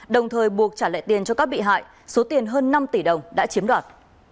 đồng thời buộc trả lại tiền cho các bị hại số tiền hơn năm tỷ đồng đã chiếm đoạt